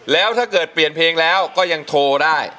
แล้วถ้าเกิดเปลี่ยนเพลงแล้วก็ยังโทรได้